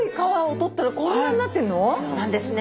そうなんですね。